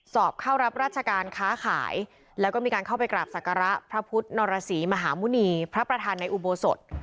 สอบเข้ารับราชการค้าขายแล้วก็มีการเข้าไปกราบศักระพระพุทธนรสีมหาหมุณีพระประธานในอุโบสถ